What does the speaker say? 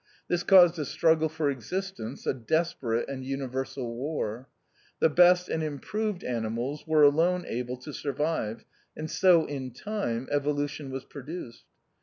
This caused a struggle for existence, a desperate and universal war ; the best and improved ani mals were alone able to survive, and so in time, Evolution was produced.